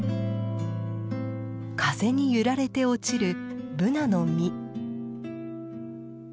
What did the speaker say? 風に揺られて落ちるブナの実。